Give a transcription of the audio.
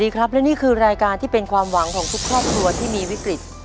เกมต่อชีวิต